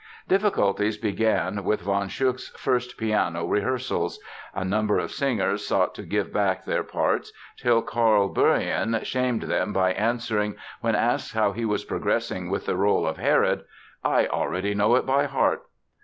Difficulties began with von Schuch's first piano rehearsals. A number of singers sought to give back their parts till Karl Burrian shamed them by answering, when asked how he was progressing with the role of Herod: "I already know it by heart!"